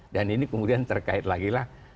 dan ini kemudian terkait lagi lah